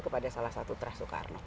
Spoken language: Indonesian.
kepada salah satu teras soekarno